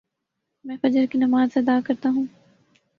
میں فجر کی نماز ادا کر تاہوں